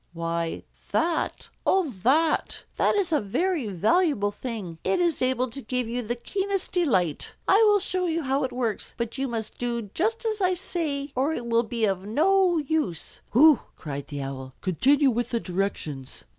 Why that oh, that! That is a very valuable thing. It is able to give you the keenest delight. I will show you how it works. But you must do just as I say, or it will be of no use." "Hoo!" cried the Owl. "Continue with the directions."